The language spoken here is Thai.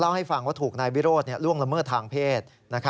เรื้อประคาการละเมิดทางเพศ